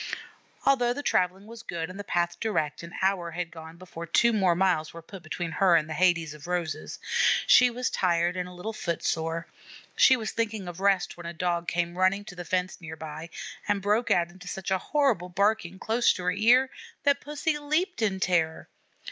Although the travelling was good and the path direct, an hour had gone before two more miles were put between her and the Hades of roses. She was tired and a little foot sore. She was thinking of rest when a Dog came running to the fence near by, and broke out into such a horrible barking close to her ear that Pussy leaped in terror.